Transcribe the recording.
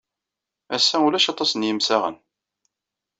Ass-a, ulac aṭas n yimsaɣen.